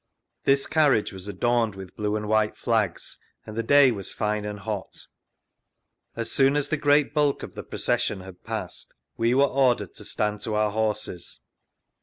This carriage was adorned with blue and white flags; and the day was fine land hot. As soon as the great bulk of the procession had passed, we were ordered to stand to our horses.